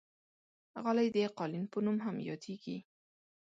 غالۍ د قالین په نوم هم یادېږي.